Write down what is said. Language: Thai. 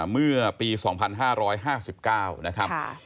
เมื่อปี๒๕๕๙นะครับ